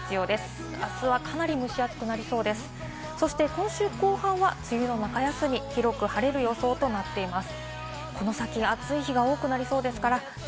今週後半は梅雨の中休み、広く晴れる予想となっています。